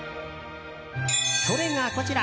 それが、こちら。